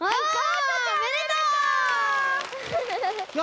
おめでとう！よ